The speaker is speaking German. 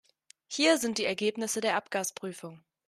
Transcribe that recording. Hier sind die Ergebnisse der Abgasprüfung.